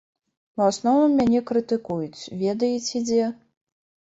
У асноўным мяне крытыкуюць ведаеце дзе?